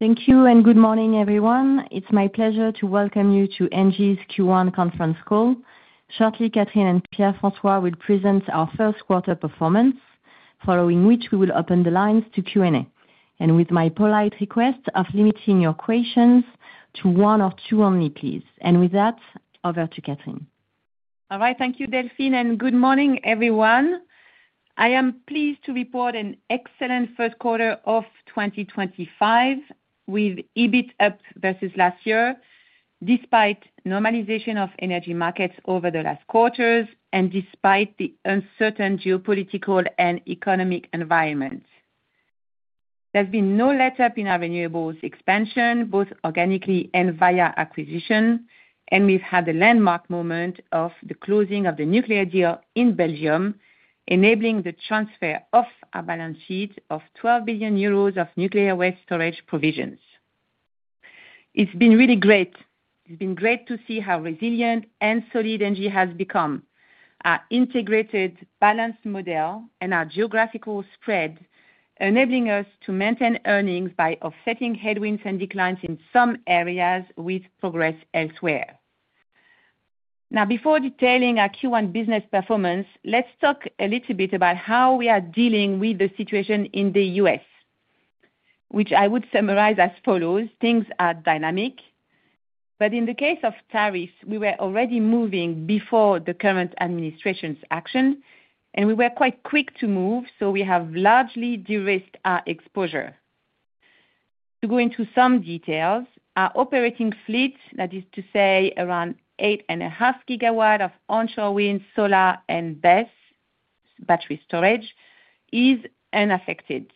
Thank you, and good morning, everyone. It's my pleasure to welcome you to ENGIE's Q1 Conference Call. Shortly, Catherine and Pierre-François will present our first quarter performance, following which we will open the lines to Q&A. With my polite request of limiting your questions to one or two only, please. With that, over to Catherine. All right, thank you, Delphine, and good morning, everyone. I am pleased to report an excellent first quarter of 2025 with EBIT up versus last year, despite normalization of energy markets over the last quarters and despite the uncertain geopolitical and economic environment. There's been no let-up in our renewables expansion, both organically and via acquisition, and we've had the landmark moment of the closing of the nuclear deal in Belgium, enabling the transfer to our balance sheet of 12 billion euros of nuclear waste storage provisions. It's been really great. It's been great to see how resilient and solid ENGIE has become, our integrated balance model, and our geographical spread, enabling us to maintain earnings by offsetting headwinds and declines in some areas with progress elsewhere. Now, before detailing our Q1 business performance, let's talk a little bit about how we are dealing with the situation in the US, which I would summarize as follows: things are dynamic, but in the case of tariffs, we were already moving before the current administration's action, and we were quite quick to move, so we have largely de-risked our exposure. To go into some details, our operating fleet, that is to say around 8.5 gigawatts of onshore wind, solar, and BESS battery storage, is unaffected.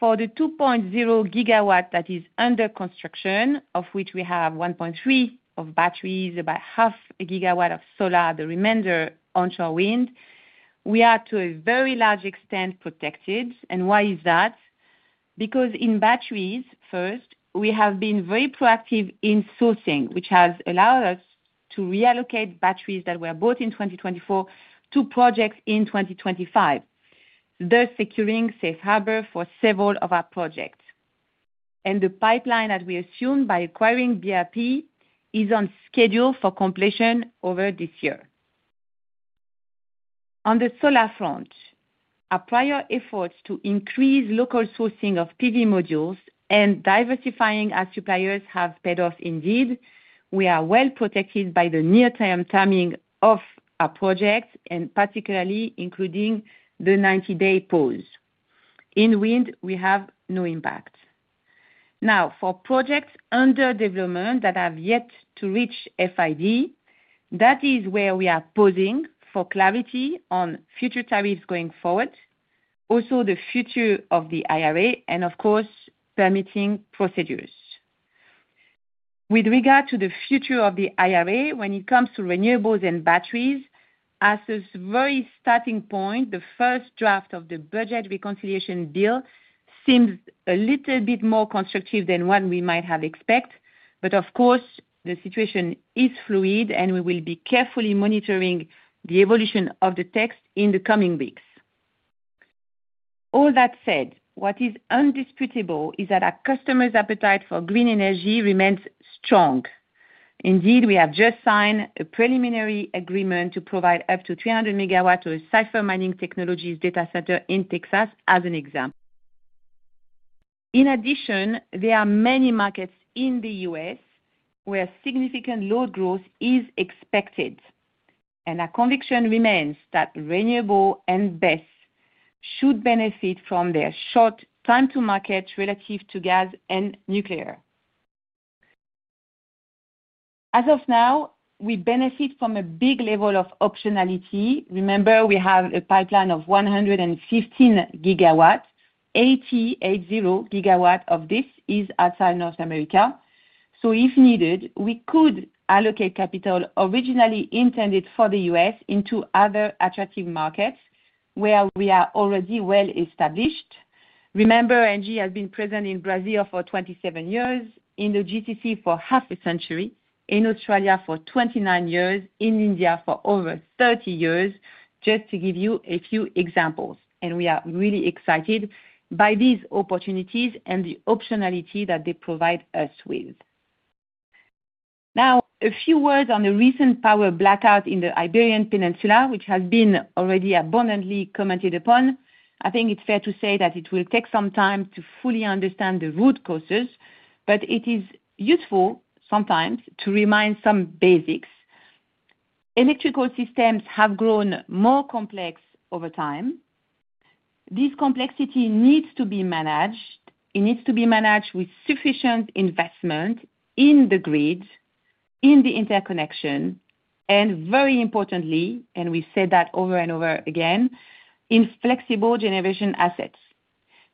For the 2.0 gigawatts that is under construction, of which we have 1.3 of batteries, about half a gigawatt of solar, the remainder onshore wind, we are to a very large extent protected. And why is that? Because in batteries, first, we have been very proactive in sourcing, which has allowed us to reallocate batteries that were bought in 2024 to projects in 2025, thus securing safe harbor for several of our projects. The pipeline that we assumed by acquiring BRP is on schedule for completion over this year. On the solar front, our prior efforts to increase local sourcing of PV modules and diversifying our suppliers have paid off indeed. We are well protected by the near-term timing of our projects, particularly including the 90-day pause. In wind, we have no impact. Now, for projects under development that have yet to reach FID, that is where we are pausing for clarity on future tariffs going forward, also the future of the IRA, and of course, permitting procedures. With regard to the future of the IRA, when it comes to renewables and batteries, as a very starting point, the first draft of the budget reconciliation deal seems a little bit more constructive than what we might have expected. Of course, the situation is fluid, and we will be carefully monitoring the evolution of the text in the coming weeks. All that said, what is undisputable is that our customers' appetite for green energy remains strong. Indeed, we have just signed a preliminary agreement to provide up to 300 megawatts of Saffir Mining Technologies data center in Texas as an example. In addition, there are many markets in the US where significant load growth is expected, and our conviction remains that renewable and BESS should benefit from their short time-to-market relative to gas and nuclear. As of now, we benefit from a big level of optionality. Remember, we have a pipeline of 115 gigawatts; 88 gigawatts of this is outside North America. If needed, we could allocate capital originally intended for the US into other attractive markets where we are already well established. Remember, ENGIE has been present in Brazil for 27 years, in the GCC for half a century, in Australia for 29 years, in India for over 30 years, just to give you a few examples. We are really excited by these opportunities and the optionality that they provide us with. Now, a few words on the recent power blackout in the Iberian Peninsula, which has been already abundantly commented upon. I think it's fair to say that it will take some time to fully understand the root causes, but it is useful sometimes to remind some basics. Electrical systems have grown more complex over time. This complexity needs to be managed. It needs to be managed with sufficient investment in the grid, in the interconnection, and very importantly, and we said that over and over again, in flexible generation assets.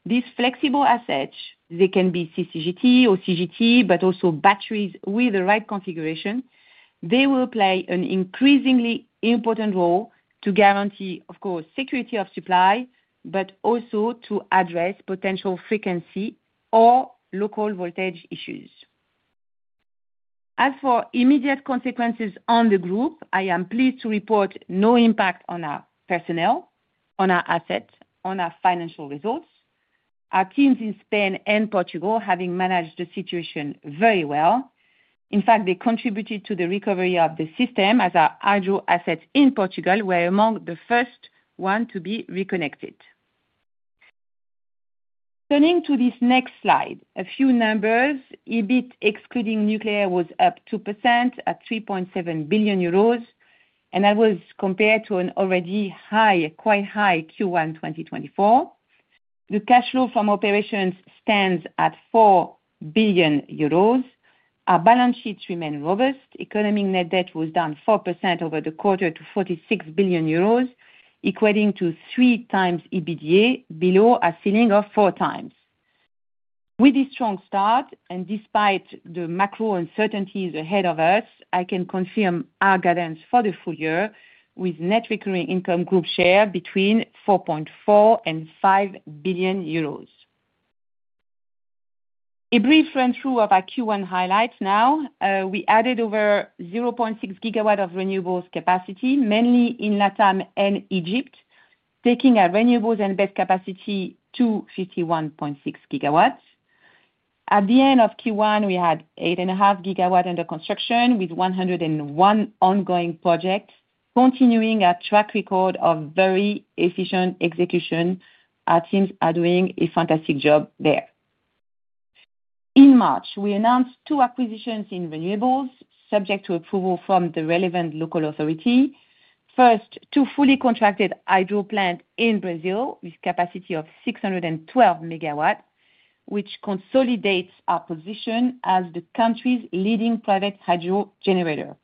These flexible assets, they can be CCGT or CGT, but also batteries with the right configuration. They will play an increasingly important role to guarantee, of course, security of supply, but also to address potential frequency or local voltage issues. As for immediate consequences on the group, I am pleased to report no impact on our personnel, on our assets, on our financial results. Our teams in Spain and Portugal have managed the situation very well. In fact, they contributed to the recovery of the system, as our hydro assets in Portugal were among the first ones to be reconnected. Turning to this next slide, a few numbers: EBIT excluding nuclear was up 2% at 3.7 billion euros, and that was compared to an already high, quite high Q1 2024. The cash flow from operations stands at 4 billion euros. Our balance sheets remain robust. Economic net debt was down 4% over the quarter to 46 billion euros, equating to three times EBITDA, below a ceiling of four times. With this strong start, and despite the macro uncertainties ahead of us, I can confirm our guidance for the full year with net recurring income group share between 4.4 billion and 5 billion euros. A brief run-through of our Q1 highlights now. We added over 0.6 gigawatts of renewables capacity, mainly in LATAM and Egypt, taking our renewables and BESS capacity to 51.6 gigawatts. At the end of Q1, we had 8.5 gigawatts under construction with 101 ongoing projects, continuing our track record of very efficient execution. Our teams are doing a fantastic job there. In March, we announced two acquisitions in renewables, subject to approval from the relevant local authority. First, two fully contracted hydro plants in Brazil with capacity of 612 megawatts, which consolidates our position as the country's leading private hydro generator.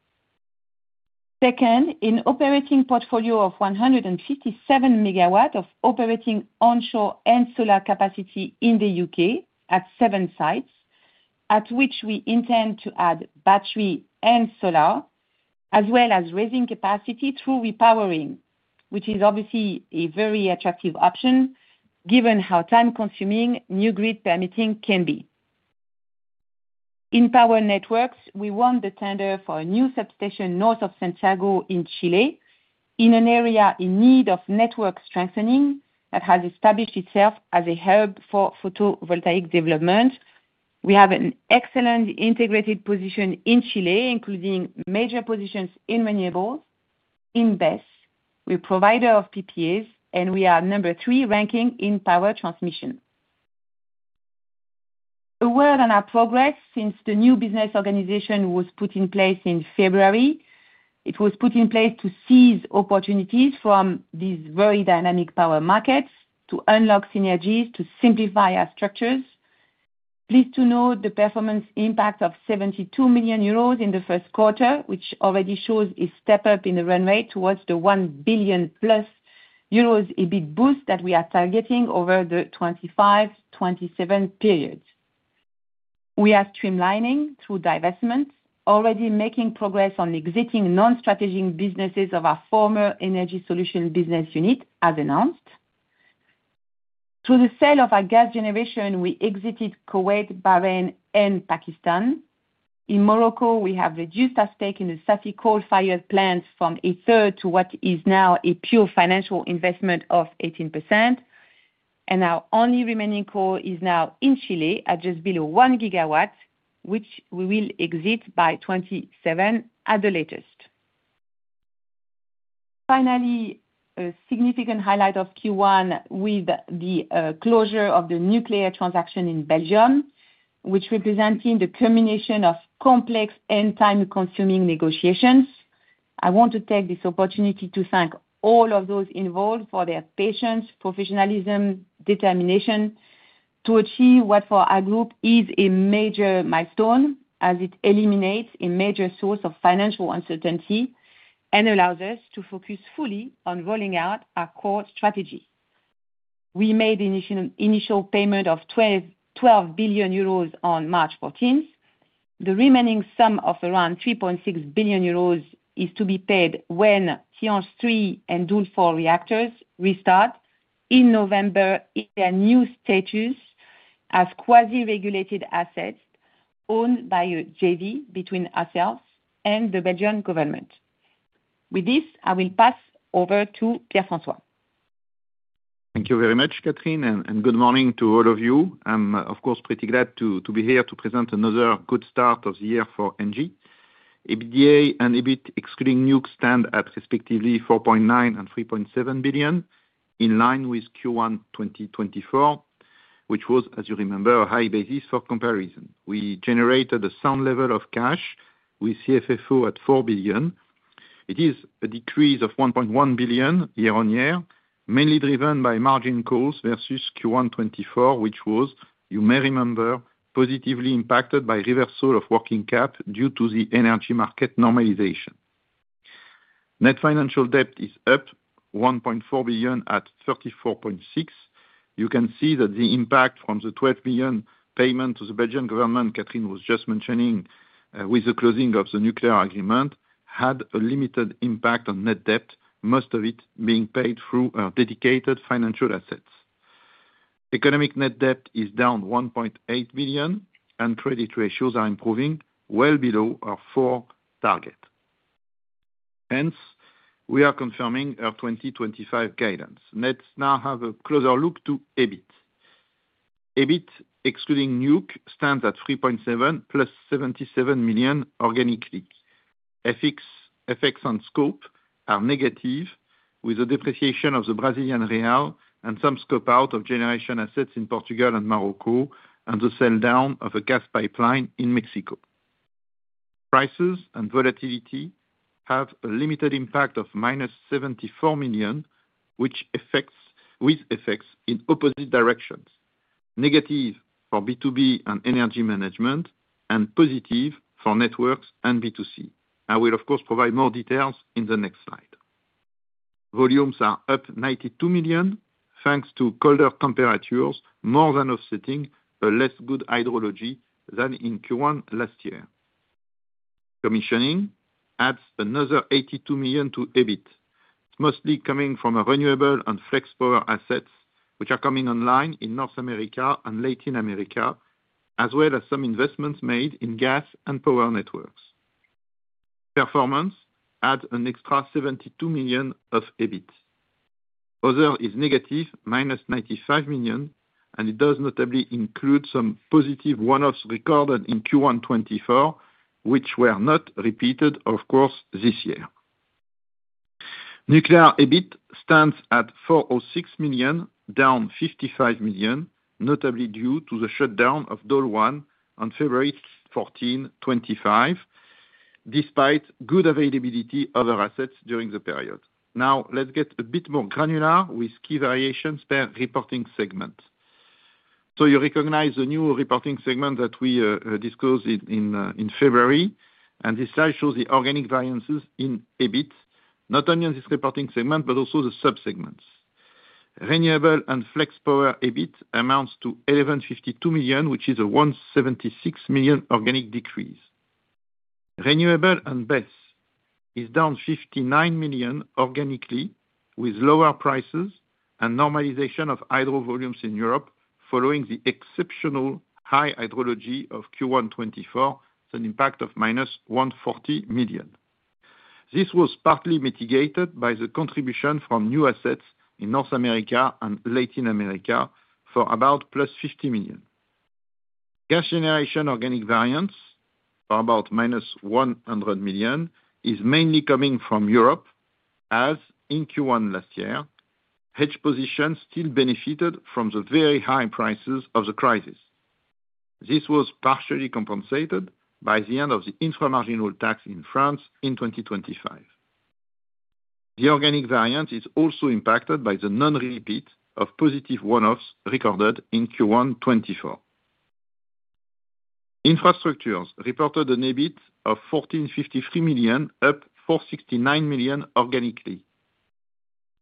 Second, an operating portfolio of 157 megawatts of operating onshore and solar capacity in the U.K. at seven sites, at which we intend to add battery and solar, as well as raising capacity through repowering, which is obviously a very attractive option given how time-consuming new grid permitting can be. In power networks, we won the tender for a new substation north of Santiago in Chile, in an area in need of network strengthening that has established itself as a hub for photovoltaic development. We have an excellent integrated position in Chile, including major positions in renewables, in BESS. We're a provider of PPAs, and we are number three ranking in power transmission. A word on our progress since the new business organization was put in place in February. It was put in place to seize opportunities from these very dynamic power markets, to unlock synergies, to simplify our structures. Pleased to note the performance impact of 72 million euros in the first quarter, which already shows a step up in the run rate towards the 1 billion euros plus EBIT boost that we are targeting over the 2025-2027 period. We are streamlining through divestments, already making progress on exiting non-strategic businesses of our former energy solution business unit, as announced. Through the sale of our gas generation, we exited Kuwait, Bahrain, and Pakistan. In Morocco, we have reduced our stake in the Saffi coal-fired plants from a third to what is now a pure financial investment of 18%. Our only remaining coal is now in Chile, at just below 1 gigawatt, which we will exit by 2027 at the latest. Finally, a significant highlight of Q1 with the closure of the nuclear transaction in Belgium, which represented the culmination of complex and time-consuming negotiations. I want to take this opportunity to thank all of those involved for their patience, professionalism, and determination to achieve what for our group is a major milestone, as it eliminates a major source of financial uncertainty and allows us to focus fully on rolling out our core strategy. We made the initial payment of 12 billion euros on March 14. The remaining sum of around 3.6 billion euros is to be paid when Tihange 3 and Doel 4 reactors restart in November in their new status as quasi-regulated assets owned by JV between ourselves and the Belgian government. With this, I will pass over to Pierre-François. Thank you very much, Catherine, and good morning to all of you. I'm, of course, pretty glad to be here to present another good start of the year for ENGIE. EBITDA and EBIT excluding nuke stand at respectively 4.9 billion and 3.7 billion, in line with Q1 2024, which was, as you remember, a high basis for comparison. We generated a sound level of cash with CFFO at 4 billion. It is a decrease of 1.1 billion year-on-year, mainly driven by margin calls versus Q1 2024, which was, you may remember, positively impacted by reversal of working cap due to the energy market normalization. Net financial debt is up 1.4 billion at 34.6 billion. You can see that the impact from the 12 billion payment to the Belgian government, Catherine was just mentioning, with the closing of the nuclear agreement, had a limited impact on net debt, most of it being paid through our dedicated financial assets. Economic net debt is down 1.8 billion, and credit ratios are improving, well below our four target. Hence, we are confirming our 2025 guidance. Let's now have a closer look to EBIT. EBIT excluding nuke stands at 3.7 billion plus 77 million organically. FX and scope are negative, with a depreciation of the Brazilian real and some scope out of generation assets in Portugal and Morocco, and the sell down of a gas pipeline in Mexico. Prices and volatility have a limited impact of minus 74 million, which affects with effects in opposite directions: negative for B2B and energy management, and positive for networks and B2C. I will, of course, provide more details in the next slide. Volumes are up 92 million, thanks to colder temperatures, more than offsetting a less good hydrology than in Q1 last year. Commissioning adds another 82 million to EBIT, mostly coming from renewable and flex power assets, which are coming online in North America and Latin America, as well as some investments made in gas and power networks. Performance adds an extra 72 million of EBIT. Other is negative, minus 95 million, and it does notably include some positive one-offs recorded in Q1 2024, which were not repeated, of course, this year. Nuclear EBIT stands at 406 million, down 55 million, notably due to the shutdown of Doel 1 on February 14, 2025, despite good availability of our assets during the period. Now, let's get a bit more granular with key variations per reporting segment. You recognize the new reporting segment that we disclosed in February, and this slide shows the organic variances in EBIT, not only on this reporting segment, but also the subsegments. Renewable and flex power EBIT amounts to 1,152 million, which is a 176 million organic decrease. Renewable and BESS is down 59 million organically, with lower prices and normalization of hydro volumes in Europe following the exceptional high hydrology of Q1 2024, an impact of minus 140 million. This was partly mitigated by the contribution from new assets in North America and Latin America for about plus 50 million. Gas generation organic variance, for about minus 100 million, is mainly coming from Europe, as in Q1 last year, hedge positions still benefited from the very high prices of the crisis. This was partially compensated by the end of the infra-marginal tax in France in 2025. The organic variance is also impacted by the non-repeat of positive one-offs recorded in Q1 2024. Infrastructures reported an EBIT of 1,453 million, up 469 million organically.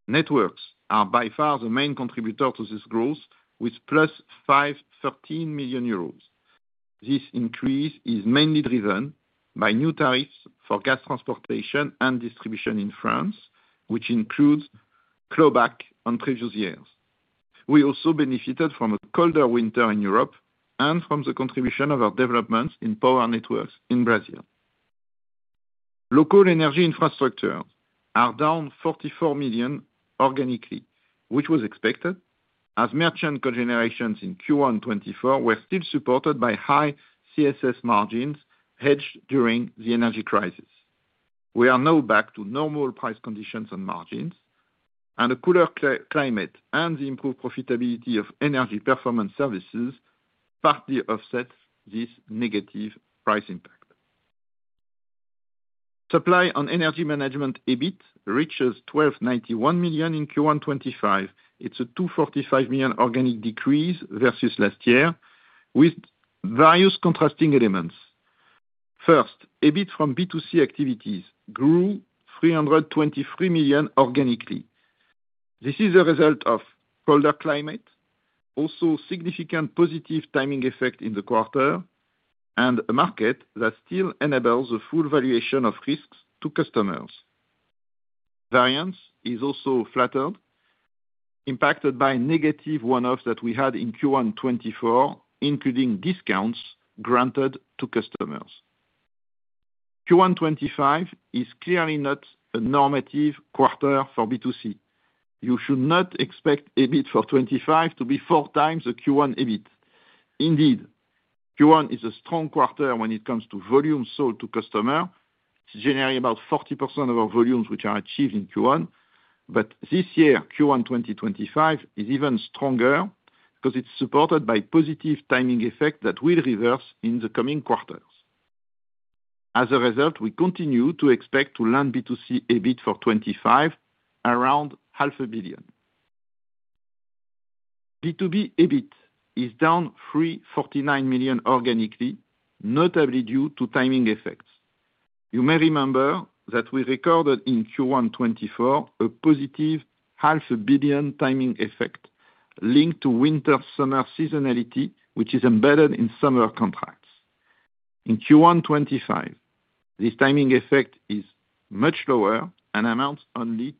Networks are by far the main contributor to this growth, with plus 513 million euros. This increase is mainly driven by new tariffs for gas transportation and distribution in France, which includes clawback on previous years. We also benefited from a colder winter in Europe and from the contribution of our developments in power networks in Brazil. Local energy infrastructures are down 44 million organically, which was expected, as merchant cogenerations in Q1 2024 were still supported by high CSS margins hedged during the energy crisis. We are now back to normal price conditions and margins, and a cooler climate and the improved profitability of energy performance services partly offset this negative price impact. Supply on energy management EBIT reaches 1,291 million in Q1 2025. It is a 245 million organic decrease versus last year, with various contrasting elements. First, EBIT from B2C activities grew 323 million organically. This is a result of colder climate, also significant positive timing effect in the quarter, and a market that still enables the full valuation of risks to customers. Variance is also flattered, impacted by negative one-offs that we had in Q1 2024, including discounts granted to customers. Q1 2025 is clearly not a normative quarter for B2C. You should not expect EBIT for 2025 to be four times the Q1 EBIT. Indeed, Q1 is a strong quarter when it comes to volumes sold to customers. It is generally about 40% of our volumes, which are achieved in Q1. This year, Q1 2025 is even stronger because it is supported by a positive timing effect that will reverse in the coming quarters. As a result, we continue to expect to land B2C EBIT for 2025 around 500 million. B2B EBIT is down 349 million organically, notably due to timing effects. You may remember that we recorded in Q1 2024 a positive 500 million timing effect linked to winter-summer seasonality, which is embedded in summer contracts. In Q1 2025, this timing effect is much lower and amounts only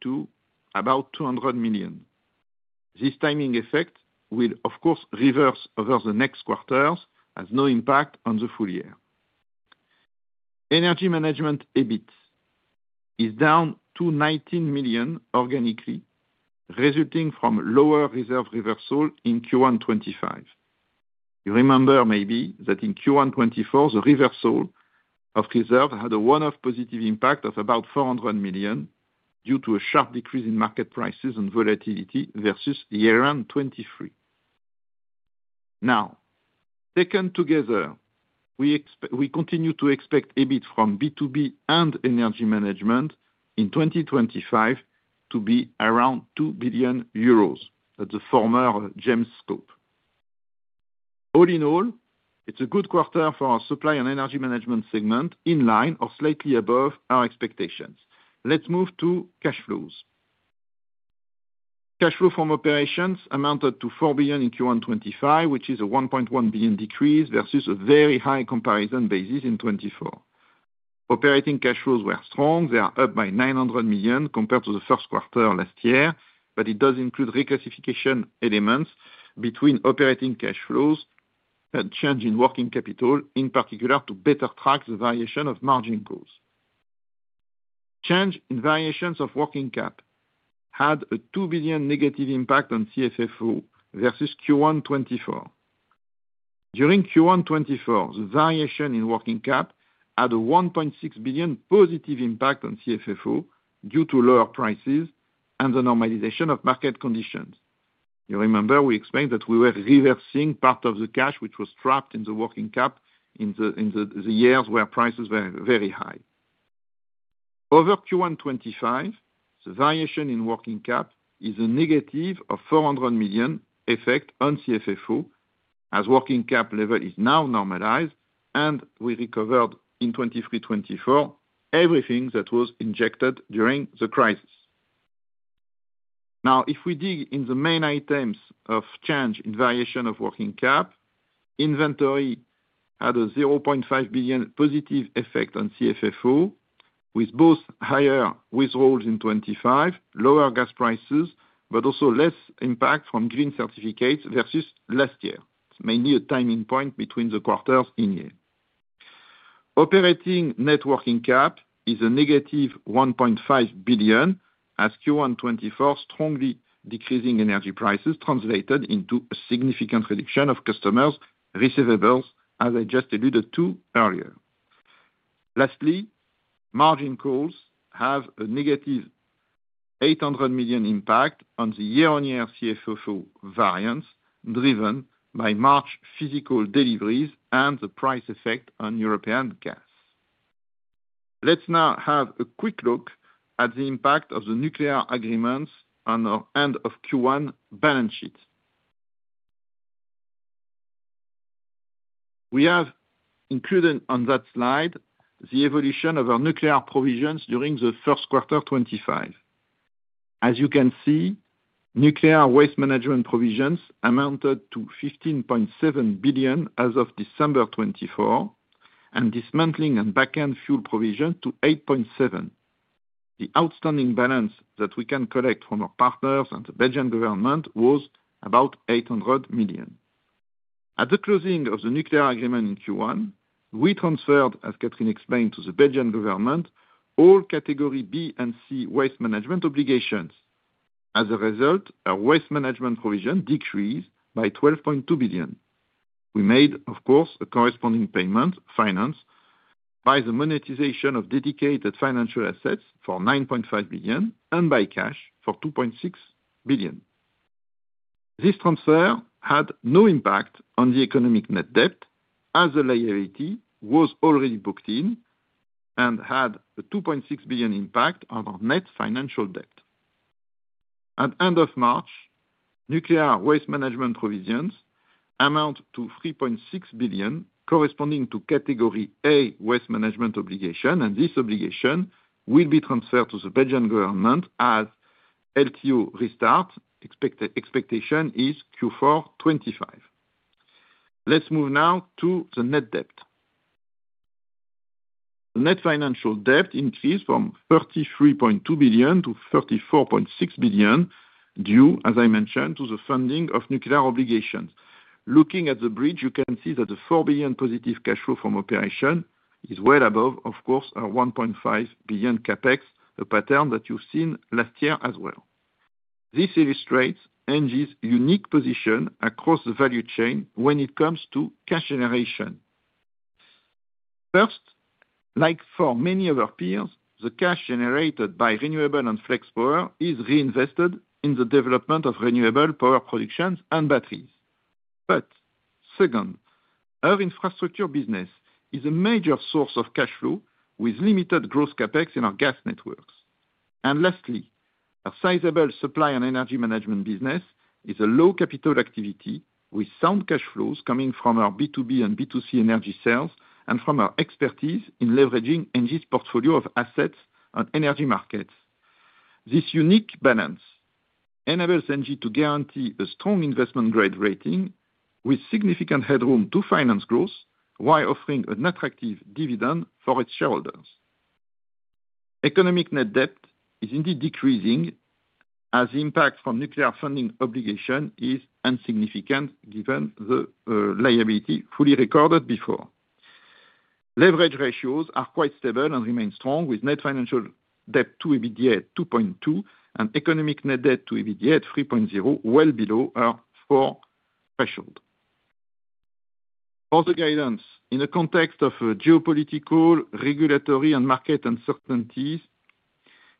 to about 200 million. This timing effect will, of course, reverse over the next quarters and has no impact on the full year. Energy management EBIT is down to 19 million organically, resulting from lower reserve reversal in Q1 2025. You remember maybe that in Q1 2024, the reversal of reserve had a one-off positive impact of about 400 million due to a sharp decrease in market prices and volatility versus year-round 2023. Now, taken together, we continue to expect EBIT from B2B and energy management in 2025 to be around 2 billion euros at the former GEMS scope. All in all, it's a good quarter for our supply and energy management segment in line or slightly above our expectations. Let's move to cash flows. Cash flow from operations amounted to 4 billion in Q1 2025, which is a 1.1 billion decrease versus a very high comparison basis in 2024. Operating cash flows were strong. They are up by 900 million compared to the first quarter last year, but it does include reclassification elements between operating cash flows and change in working capital, in particular to better track the variation of margin goals. Change in variations of working cap had a 2 billion negative impact on CFFO versus Q1 2024. During Q1 2024, the variation in working cap had a 1.6 billion positive impact on CFFO due to lower prices and the normalization of market conditions. You remember we explained that we were reversing part of the cash which was trapped in the working cap in the years where prices were very high. Over Q1 2025, the variation in working cap is a negative of 400 million effect on CFFO, as working cap level is now normalized, and we recovered in 2023-2024 everything that was injected during the crisis. Now, if we dig in the main items of change in variation of working cap, inventory had a 0.5 billion positive effect on CFFO, with both higher withdrawals in 2025, lower gas prices, but also less impact from green certificates versus last year. It's mainly a timing point between the quarters in year. Operating net working cap is a negative 1.5 billion, as Q1 2024 strongly decreasing energy prices translated into a significant reduction of customers' receivables, as I just alluded to earlier. Lastly, margin calls have a negative 800 million impact on the year-on-year CFFO variance driven by March physical deliveries and the price effect on European gas. Let's now have a quick look at the impact of the nuclear agreements on our end of Q1 balance sheet. We have included on that slide the evolution of our nuclear provisions during the first quarter 2025. As you can see, nuclear waste management provisions amounted to 15.7 billion as of December 2024, and dismantling and backend fuel provisions to 8.7 billion. The outstanding balance that we can collect from our partners and the Belgian government was about 800 million. At the closing of the nuclear agreement in Q1, we transferred, as Catherine explained, to the Belgian government all category B and C waste management obligations. As a result, our waste management provision decreased by 12.2 billion. We made, of course, a corresponding payment financed by the monetization of dedicated financial assets for 9.5 billion and by cash for 2.6 billion. This transfer had no impact on the economic net debt, as the liability was already booked in and had a 2.6 billion impact on our net financial debt. At the end of March, nuclear waste management provisions amount to 3.6 billion, corresponding to category A waste management obligation, and this obligation will be transferred to the Belgian government as LTO restart. Expectation is Q4 2025. Let's move now to the net debt. Net financial debt increased from 33.2 billion to 34.6 billion due, as I mentioned, to the funding of nuclear obligations. Looking at the bridge, you can see that the 4 billion positive cash flow from operation is well above, of course, our 1.5 billion CapEx, a pattern that you've seen last year as well. This illustrates ENGIE's unique position across the value chain when it comes to cash generation. First, like for many of our peers, the cash generated by renewable and flex power is reinvested in the development of renewable power productions and batteries. Our infrastructure business is a major source of cash flow with limited gross Capex in our gas networks. Lastly, our sizable supply and energy management business is a low-capital activity with sound cash flows coming from our B2B and B2C energy sales and from our expertise in leveraging ENGIE's portfolio of assets on energy markets. This unique balance enables ENGIE to guarantee a strong investment-grade rating with significant headroom to finance growth while offering an attractive dividend for its shareholders. Economic net debt is indeed decreasing, as the impact from nuclear funding obligation is insignificant given the liability fully recorded before. Leverage ratios are quite stable and remain strong, with net financial debt to EBITDA at 2.2 and economic net debt to EBITDA at 3.0, well below our four threshold. For the guidance, in the context of geopolitical, regulatory, and market uncertainties,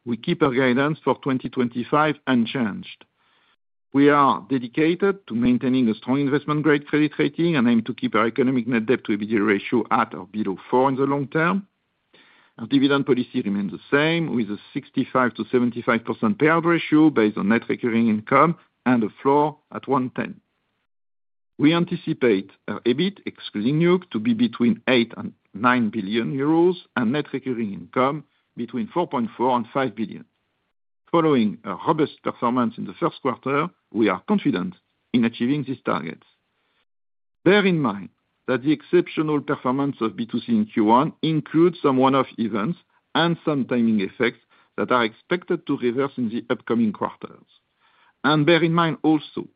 we keep our guidance for 2025 unchanged. We are dedicated to maintaining a strong investment-grade credit rating and aim to keep our economic net debt to EBITDA ratio at or below 4 in the long term. Our dividend policy remains the same, with a 65%-75% payout ratio based on net recurring income and a floor at 1.10. We anticipate our EBIT, excluding NUC, to be between 8 billion-9 billion euros and net recurring income between 4.4 billion-5 billion. Following a robust performance in the first quarter, we are confident in achieving these targets. Bear in mind that the exceptional performance of B2C in Q1 includes some one-off events and some timing effects that are expected to reverse in the upcoming quarters. Bear in mind also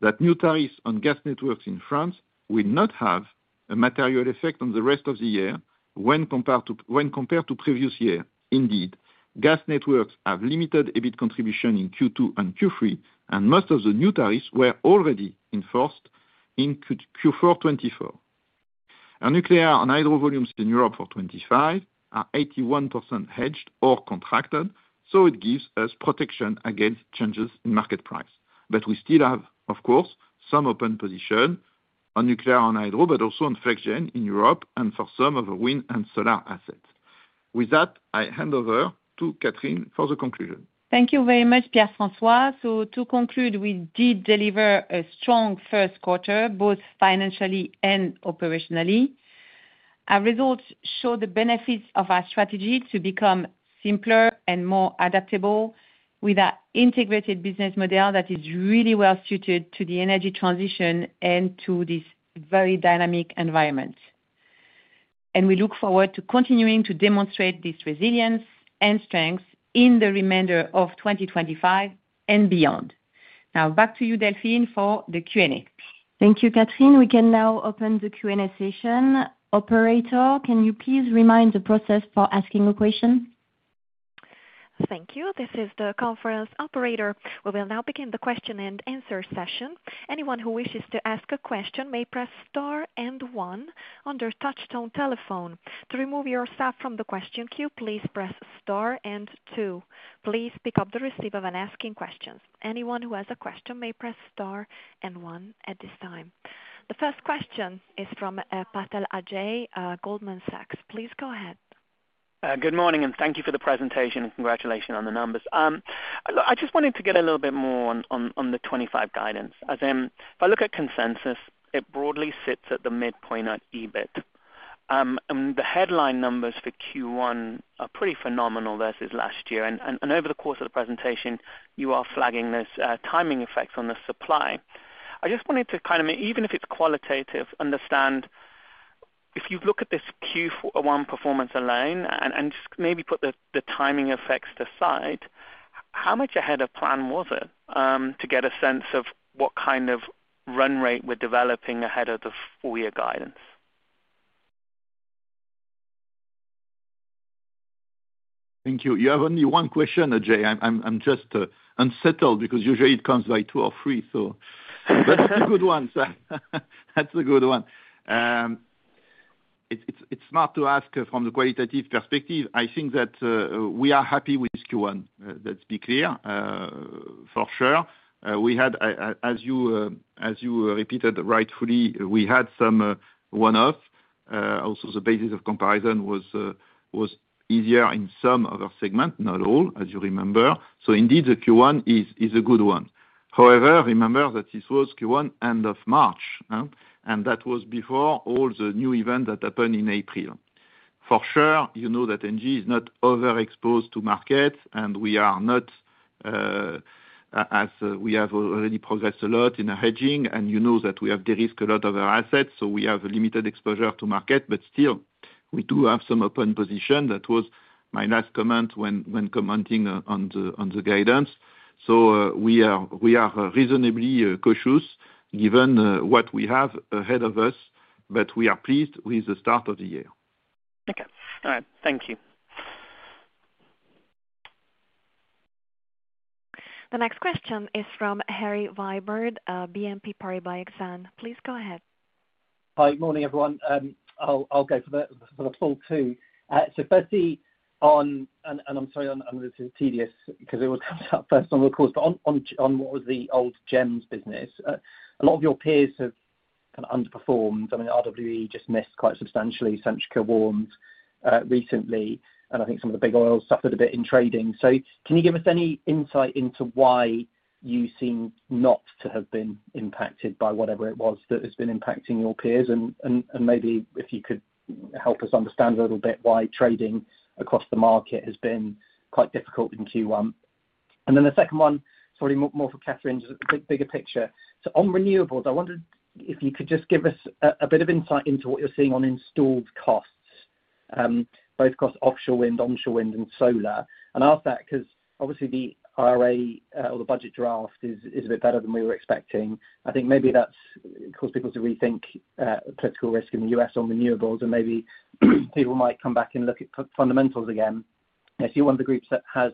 that new tariffs on gas networks in France will not have a material effect on the rest of the year when compared to previous year. Indeed, gas networks have limited EBIT contribution in Q2 and Q3, and most of the new tariffs were already enforced in Q4 2024. Our nuclear and hydro volumes in Europe for 2025 are 81% hedged or contracted, so it gives us protection against changes in market price. We still have, of course, some open position on nuclear and hydro, but also on flex gain in Europe and for some of our wind and solar assets. With that, I hand over to Catherine for the conclusion. Thank you very much, Pierre-François. To conclude, we did deliver a strong first quarter, both financially and operationally. Our results show the benefits of our strategy to become simpler and more adaptable, with our integrated business model that is really well suited to the energy transition and to this very dynamic environment. We look forward to continuing to demonstrate this resilience and strength in the remainder of 2025 and beyond. Now, back to you, Delphine, for the Q&A. Thank you, Catherine. We can now open the Q&A session. Operator, can you please remind the process for asking a question? Thank you. This is the conference operator. We will now begin the question and answer session. Anyone who wishes to ask a question may press star and one under Touchstone Telephone. To remove yourself from the question queue, please press star and two. Please pick up the receiver when asking questions. Anyone who has a question may press star and one at this time. The first question is from Ajay Patel, Goldman Sachs. Please go ahead. Good morning, and thank you for the presentation and congratulations on the numbers. I just wanted to get a little bit more on the 2025 guidance. If I look at consensus, it broadly sits at the midpoint at EBIT. The headline numbers for Q1 are pretty phenomenal versus last year. Over the course of the presentation, you are flagging this timing effect on the supply. I just wanted to kind of, even if it's qualitative, understand if you look at this Q1 performance alone and just maybe put the timing effects aside, how much ahead of plan was it to get a sense of what kind of run rate we're developing ahead of the full year guidance? Thank you. You have only one question, Ajay. I'm just unsettled because usually it comes by two or three, so. That's a good one. That's a good one. It's smart to ask from the qualitative perspective. I think that we are happy with Q1. Let's be clear, for sure. As you repeated rightfully, we had some one-off. Also, the basis of comparison was easier in some of our segments, not all, as you remember. Indeed, the Q1 is a good one. However, remember that this was Q1 end of March, and that was before all the new events that happened in April. For sure, you know that ENGIE is not overexposed to markets, and we are not, as we have already progressed a lot in hedging, and you know that we have de-risked a lot of our assets, so we have limited exposure to markets, but still, we do have some open positions. That was my last comment when commenting on the guidance. We are reasonably cautious given what we have ahead of us, but we are pleased with the start of the year. Okay. All right. Thank you. The next question is from Harry Wyburd, BNP Paribas Exane. Please go ahead. Hi. Good morning, everyone. I'll go for the full two. So Betsy on, and I'm sorry, I'm a little tedious because it all comes out first on record, but on what was the old GEMS business, a lot of your peers have kind of underperformed. I mean, RWE just missed quite substantially, Centrica warned recently, and I think some of the big oils suffered a bit in trading. Can you give us any insight into why you seem not to have been impacted by whatever it was that has been impacting your peers? Maybe if you could help us understand a little bit why trading across the market has been quite difficult in Q1. The second one, sorry, more for Catherine, just a bigger picture. On renewables, I wondered if you could just give us a bit of insight into what you're seeing on installed costs, both costs offshore wind, onshore wind, and solar. I ask that because obviously the IRA or the budget draft is a bit better than we were expecting. I think maybe that's caused people to rethink the political risk in the US on renewables, and maybe people might come back and look at fundamentals again. You're one of the groups that has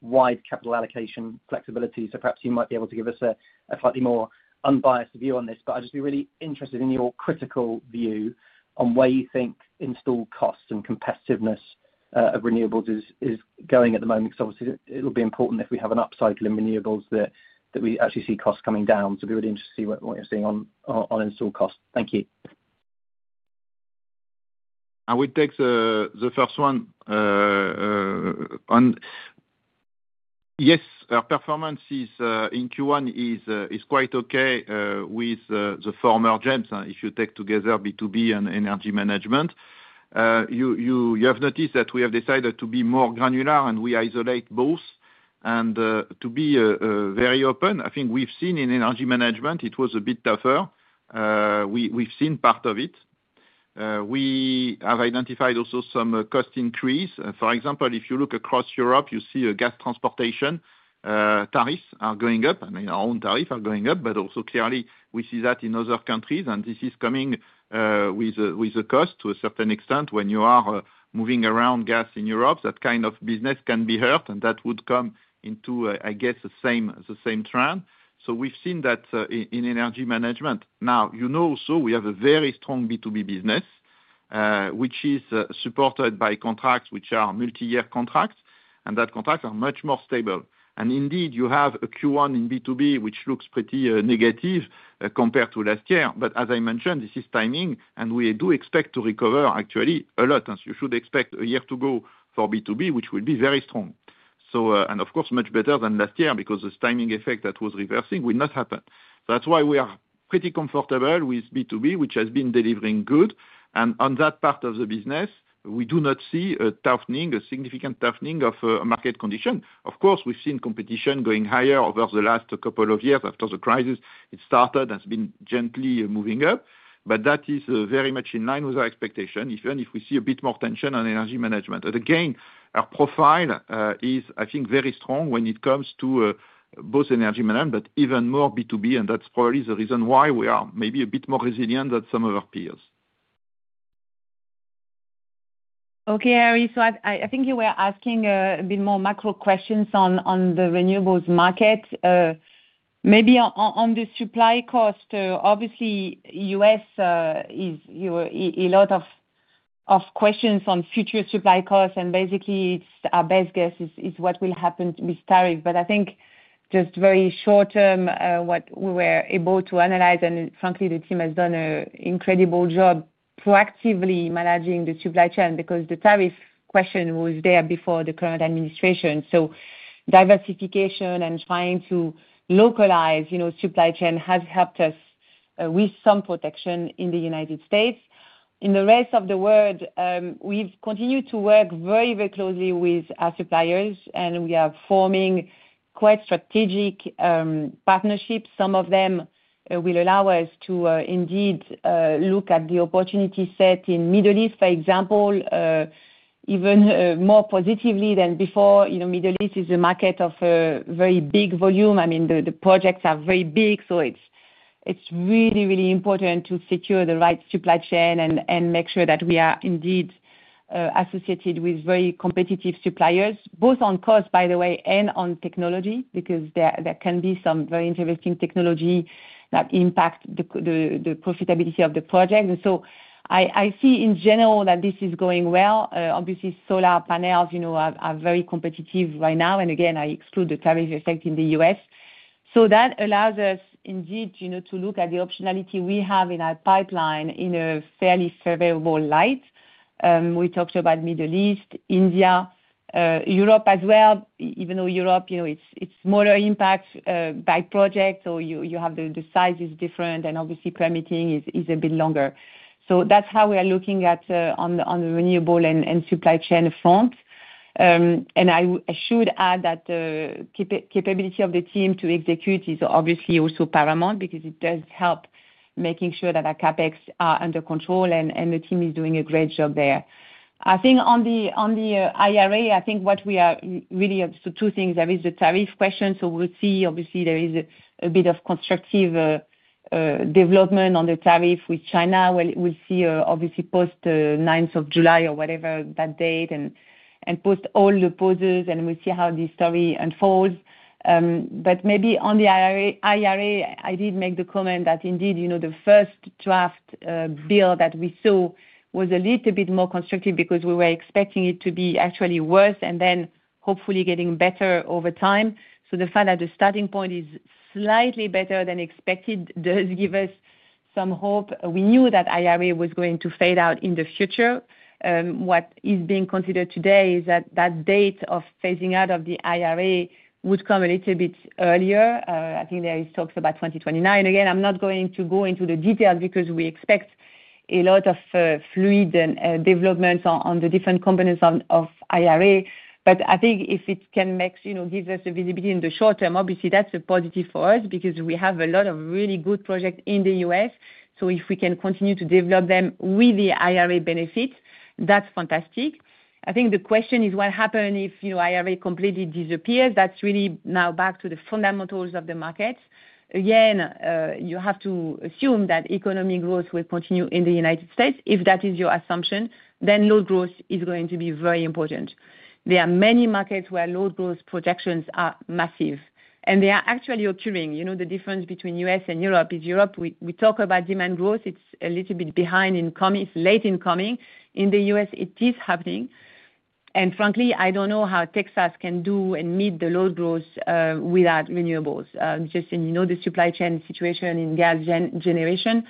wide capital allocation flexibility, so perhaps you might be able to give us a slightly more unbiased view on this. I'd just be really interested in your critical view on where you think installed costs and competitiveness of renewables is going at the moment, because obviously it'll be important if we have an upcycle in renewables that we actually see costs coming down. It'd be really interesting to see what you're seeing on installed costs. Thank you. I would take the first one. Yes, our performance in Q1 is quite okay with the former GEMS, if you take together B2B and energy management. You have noticed that we have decided to be more granular, and we isolate both. To be very open, I think we've seen in energy management, it was a bit tougher. We've seen part of it. We have identified also some cost increase. For example, if you look across Europe, you see gas transportation tariffs are going up, and our own tariffs are going up, but also clearly we see that in other countries, and this is coming with a cost to a certain extent. When you are moving around gas in Europe, that kind of business can be hurt, and that would come into, I guess, the same trend. We have seen that in energy management. Now, you know also we have a very strong B2B business, which is supported by contracts which are multi-year contracts, and that contracts are much more stable. Indeed, you have a Q1 in B2B which looks pretty negative compared to last year. As I mentioned, this is timing, and we do expect to recover actually a lot, as you should expect a year to go for B2B, which will be very strong. Of course, much better than last year because the timing effect that was reversing will not happen. That is why we are pretty comfortable with B2B, which has been delivering good. On that part of the business, we do not see a significant toughening of market condition. Of course, we've seen competition going higher over the last couple of years after the crisis it started has been gently moving up, but that is very much in line with our expectation, even if we see a bit more tension on energy management. Again, our profile is, I think, very strong when it comes to both energy management, but even more B2B, and that's probably the reason why we are maybe a bit more resilient than some of our peers. Okay, Harry. I think you were asking a bit more macro questions on the renewables market. Maybe on the supply cost, obviously, US is a lot of questions on future supply costs, and basically, our best guess is what will happen with tariffs. I think just very short term, what we were able to analyze, and frankly, the team has done an incredible job proactively managing the supply chain because the tariff question was there before the current administration. Diversification and trying to localize supply chain has helped us with some protection in the United States. In the rest of the world, we've continued to work very, very closely with our suppliers, and we are forming quite strategic partnerships. Some of them will allow us to indeed look at the opportunity set in the Middle East, for example, even more positively than before. Middle East is a market of very big volume. I mean, the projects are very big, so it's really, really important to secure the right supply chain and make sure that we are indeed associated with very competitive suppliers, both on cost, by the way, and on technology, because there can be some very interesting technology that impacts the profitability of the project. I see in general that this is going well. Obviously, solar panels are very competitive right now, and again, I exclude the tariff effect in the US. That allows us indeed to look at the optionality we have in our pipeline in a fairly favorable light. We talked about Middle East, India, Europe as well, even though Europe, it's smaller impact by project, so you have the sizes different, and obviously, permitting is a bit longer. That's how we are looking at on the renewable and supply chain front. I should add that the capability of the team to execute is obviously also paramount because it does help making sure that our CapEx are under control, and the team is doing a great job there. I think on the IRA, I think what we are really up to two things. There is the tariff question, so we'll see. Obviously, there is a bit of constructive development on the tariff with China. We'll see obviously post 9th of July or whatever that date and post all the pauses, and we'll see how the story unfolds. Maybe on the IRA, I did make the comment that indeed the first draft bill that we saw was a little bit more constructive because we were expecting it to be actually worse and then hopefully getting better over time. The fact that the starting point is slightly better than expected does give us some hope. We knew that IRA was going to fade out in the future. What is being considered today is that that date of phasing out of the IRA would come a little bit earlier. I think there is talks about 2029. Again, I'm not going to go into the details because we expect a lot of fluid developments on the different components of IRA. I think if it can give us the visibility in the short term, obviously, that's a positive for us because we have a lot of really good projects in the US. If we can continue to develop them with the IRA benefits, that's fantastic. I think the question is what happens if IRA completely disappears. That's really now back to the fundamentals of the markets. Again, you have to assume that economic growth will continue in the U.S. If that is your assumption, then load growth is going to be very important. There are many markets where load growth projections are massive, and they are actually occurring. The difference between U.S. and Europe is Europe we talk about demand growth, it's a little bit behind in coming, it's late in coming. In the U.S., it is happening. Frankly, I don't know how Texas can do and meet the load growth without renewables. Just in the supply chain situation in gas generation,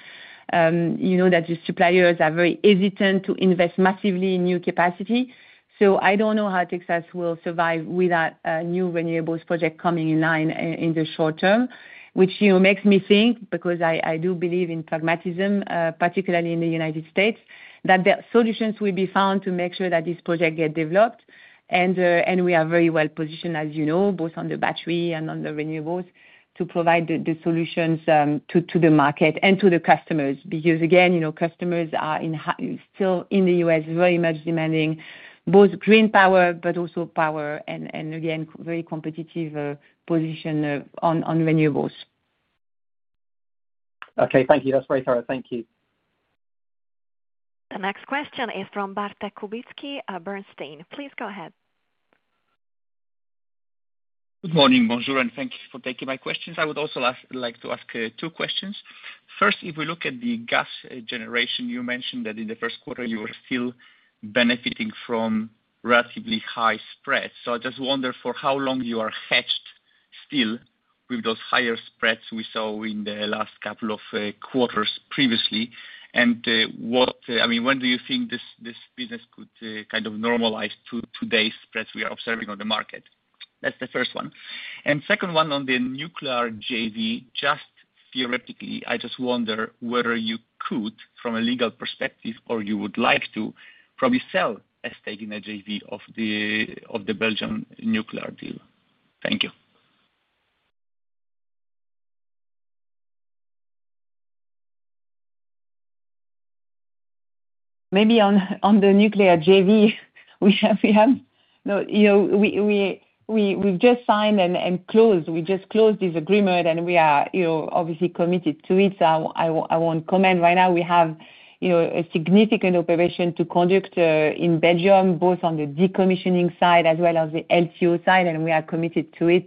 you know that the suppliers are very hesitant to invest massively in new capacity. I do not know how Texas will survive without a new renewables project coming in line in the short term, which makes me think because I do believe in pragmatism, particularly in the United States, that the solutions will be found to make sure that these projects get developed. We are very well positioned, as you know, both on the battery and on the renewables to provide the solutions to the market and to the customers because, again, customers are still in the US very much demanding both green power, but also power, and again, very competitive position on renewables. Okay. Thank you. That is very thorough. Thank you. The next question is from Bartlomiej Kubicki, Bernstein. Please go ahead. Good morning. Bonjour, and thank you for taking my questions. I would also like to ask two questions. First, if we look at the gas generation, you mentioned that in the first quarter, you were still benefiting from relatively high spreads. I just wonder for how long you are hedged still with those higher spreads we saw in the last couple of quarters previously. I mean, when do you think this business could kind of normalize to today's spreads we are observing on the market? That is the first one. Second, on the nuclear JV, just theoretically, I just wonder whether you could, from a legal perspective, or you would like to probably sell a stake in a JV of the Belgian nuclear deal. Thank you. Maybe on the nuclear JV, we have just signed and closed. We just closed this agreement, and we are obviously committed to it. I will not comment right now. We have a significant operation to conduct in Belgium, both on the decommissioning side as well as the LTO side, and we are committed to it.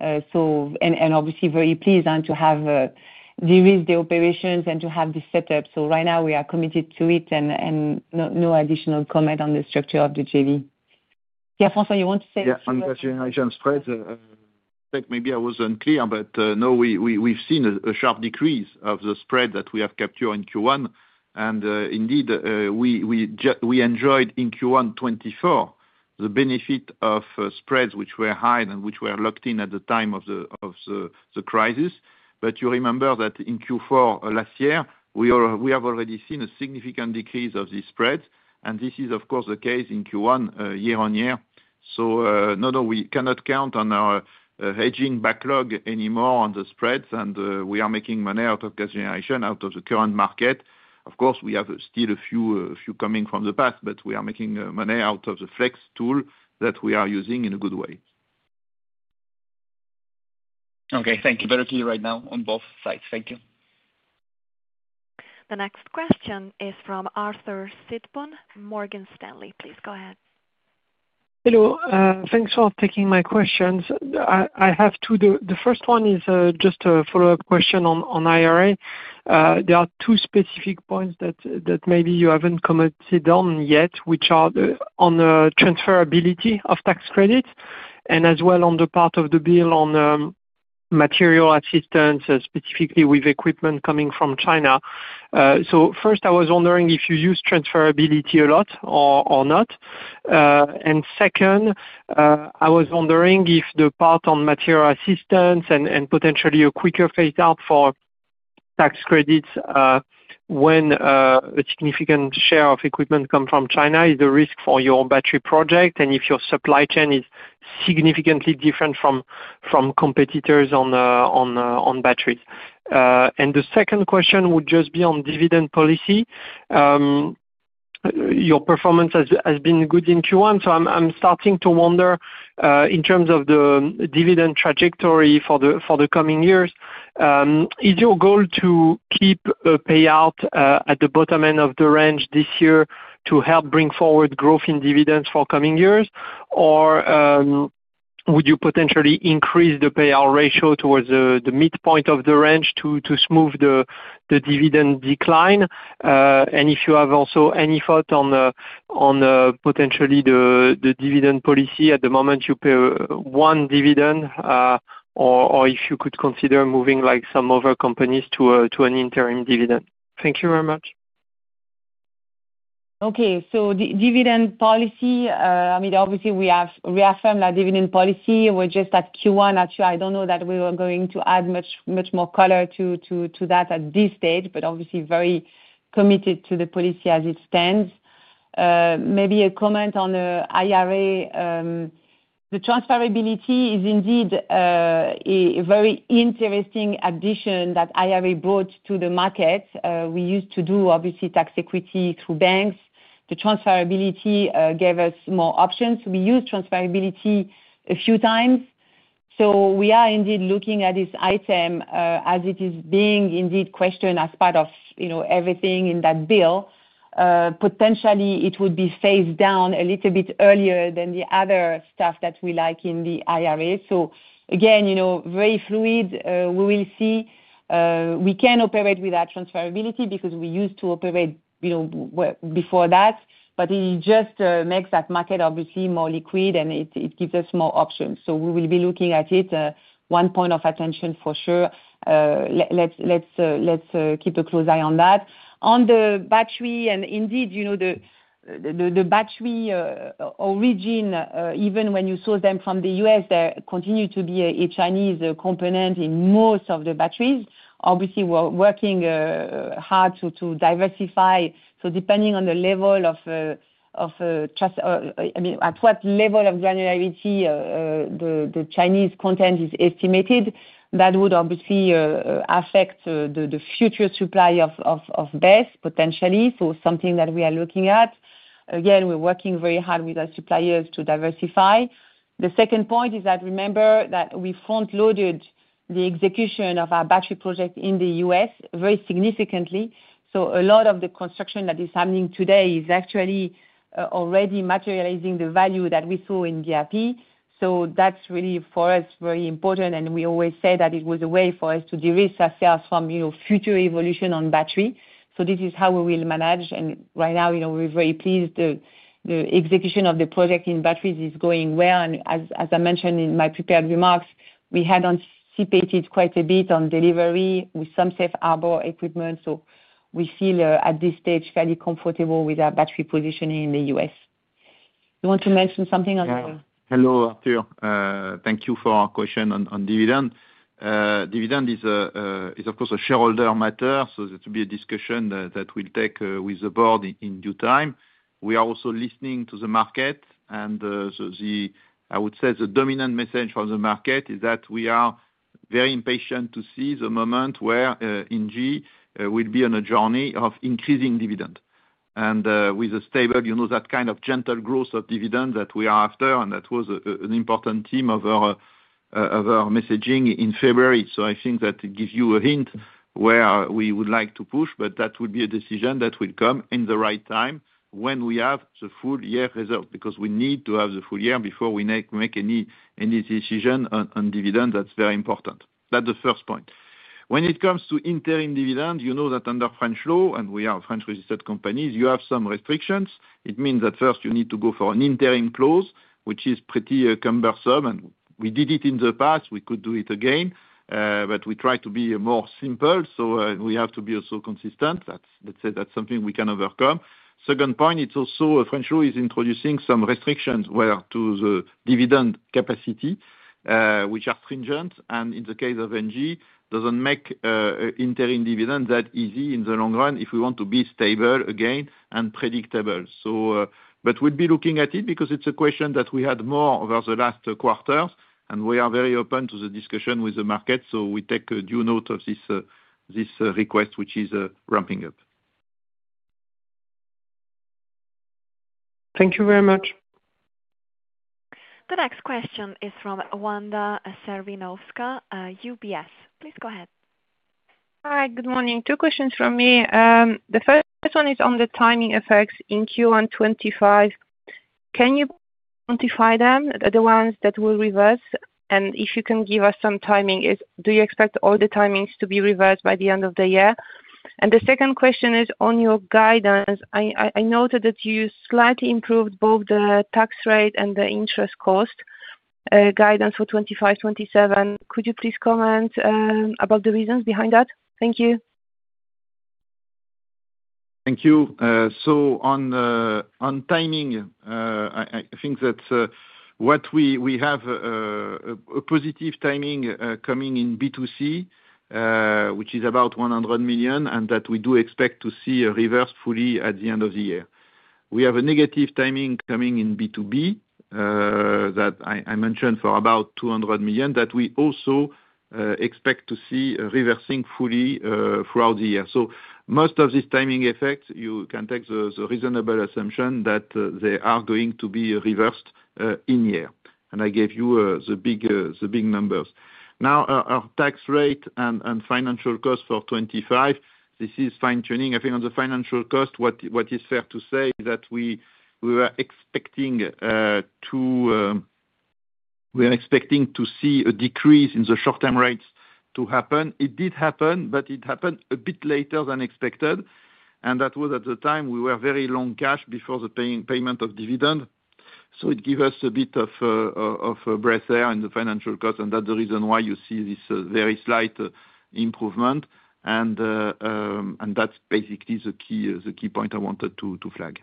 Obviously, very pleased to have the operations and to have the setup. Right now, we are committed to it and no additional comment on the structure of the JV. Pierre-François, you want to say something? Yeah, on the generation spread, I think maybe I was unclear, but no, we have seen a sharp decrease of the spread that we have captured in Q1. Indeed, we enjoyed in Q1 2024 the benefit of spreads which were high and which were locked in at the time of the crisis. You remember that in Q4 last year, we have already seen a significant decrease of these spreads, and this is, of course, the case in Q1 year-on-year. No, no, we cannot count on our hedging backlog anymore on the spreads, and we are making money out of gas generation out of the current market. Of course, we have still a few coming from the past, but we are making money out of the flex tool that we are using in a good way. Okay. Thank you. Better to you right now on both sides. Thank you. The next question is from Arthur Sitbon, Morgan Stanley. Please go ahead. Hello. Thanks for taking my questions. I have two. The first one is just a follow-up question on IRA. There are two specific points that maybe you have not commented on yet, which are on the transferability of tax credits and as well on the part of the bill on material assistance, specifically with equipment coming from China. First, I was wondering if you use transferability a lot or not. Second, I was wondering if the part on material assistance and potentially a quicker phase-out for tax credits when a significant share of equipment comes from China is a risk for your battery project and if your supply chain is significantly different from competitors on batteries. The second question would just be on dividend policy. Your performance has been good in Q1, so I'm starting to wonder in terms of the dividend trajectory for the coming years, is your goal to keep a payout at the bottom end of the range this year to help bring forward growth in dividends for coming years, or would you potentially increase the payout ratio towards the midpoint of the range to smooth the dividend decline? If you have also any thought on potentially the dividend policy, at the moment you pay one dividend, or if you could consider moving some other companies to an interim dividend. Thank you very much. Okay. Dividend policy, I mean, obviously, we have reaffirmed our dividend policy. We're just at Q1. I don't know that we were going to add much more color to that at this stage, but obviously, very committed to the policy as it stands. Maybe a comment on IRA. The transferability is indeed a very interesting addition that IRA brought to the market. We used to do, obviously, tax equity through banks. The transferability gave us more options. We used transferability a few times. We are indeed looking at this item as it is being indeed questioned as part of everything in that bill. Potentially, it would be phased down a little bit earlier than the other stuff that we like in the IRA. Again, very fluid. We will see. We can operate with our transferability because we used to operate before that, but it just makes that market, obviously, more liquid, and it gives us more options. We will be looking at it. One point of attention for sure. Let's keep a close eye on that. On the battery, and indeed, the battery origin, even when you source them from the US, there continues to be a Chinese component in most of the batteries. Obviously, we're working hard to diversify. Depending on the level of, I mean, at what level of granularity the Chinese content is estimated, that would obviously affect the future supply of BESS, potentially. Something that we are looking at. Again, we're working very hard with our suppliers to diversify. The second point is that remember that we front-loaded the execution of our battery project in the US very significantly. A lot of the construction that is happening today is actually already materializing the value that we saw in GRP. That is really, for us, very important. We always say that it was a way for us to de-risk ourselves from future evolution on battery. This is how we will manage. Right now, we're very pleased. The execution of the project in batteries is going well. As I mentioned in my prepared remarks, we had anticipated quite a bit on delivery with some safe harbor equipment. We feel, at this stage, fairly comfortable with our battery positioning in the US. You want to mention something on that? Hello, Arthur. Thank you for our question on dividend. Dividend is, of course, a shareholder matter, so there will be a discussion that we'll take with the board in due time. We are also listening to the market. I would say the dominant message from the market is that we are very impatient to see the moment where ENGIE will be on a journey of increasing dividend. With a stable, that kind of gentle growth of dividend that we are after, and that was an important theme of our messaging in February. I think that it gives you a hint where we would like to push, but that will be a decision that will come in the right time when we have the full year reserve because we need to have the full year before we make any decision on dividend. That's very important. That's the first point. When it comes to interim dividend, you know that under French law, and we are French-registered companies, you have some restrictions. It means that first, you need to go for an interim clause, which is pretty cumbersome. We did it in the past. We could do it again, but we try to be more simple. We have to be also consistent. That is something we can overcome. Second point, French law is introducing some restrictions to the dividend capacity, which are stringent. In the case of ENGIE, it does not make interim dividend that easy in the long run if we want to be stable again and predictable. We will be looking at it because it is a question that we had more over the last quarters, and we are very open to the discussion with the market. We take due note of this request, which is ramping up. Thank you very much. The next question is from Wanda Serwinowska, UBS. Please go ahead. Hi. Good morning. Two questions from me. The first one is on the timing effects in Q1 2025. Can you quantify them, the ones that will reverse? If you can give us some timing, do you expect all the timings to be reversed by the end of the year? The second question is on your guidance. I noted that you slightly improved both the tax rate and the interest cost guidance for 2025-2027. Could you please comment about the reasons behind that? Thank you. Thank you. On timing, I think that we have a positive timing coming in B2C, which is about 100 million, and that we do expect to see reverse fully at the end of the year. We have a negative timing coming in B2B that I mentioned for about 200 million that we also expect to see reversing fully throughout the year. Most of these timing effects, you can take the reasonable assumption that they are going to be reversed in year. I gave you the big numbers. Now, our tax rate and financial cost for 2025, this is fine-tuning. I think on the financial cost, what is fair to say is that we were expecting to see a decrease in the short-term rates to happen. It did happen, but it happened a bit later than expected. That was at the time we were very long cash before the payment of dividend. It gave us a bit of breath air in the financial cost, and that's the reason why you see this very slight improvement. That's basically the key point I wanted to flag.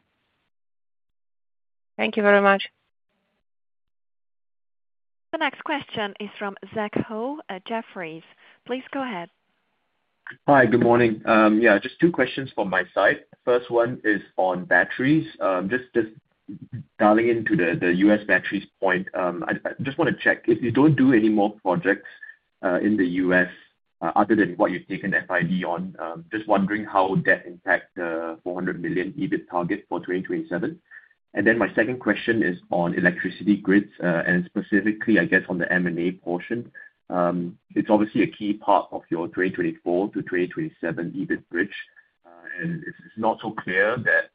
Thank you very much. The next question is from Zach Ho at Jefferies. Please go ahead. Hi. Good morning. Yeah, just two questions from my side. First one is on batteries. Just dialing into the US batteries point, I just want to check. If you don't do any more projects in the US other than what you've taken FID on, just wondering how would that impact the $400 million EBIT target for 2027? My second question is on electricity grids, and specifically, I guess, on the M&A portion. It's obviously a key part of your 2024 to 2027 EBIT bridge. It's not so clear that